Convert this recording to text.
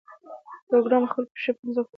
پروګرامر خپلې پښې په ځمکه ووهلې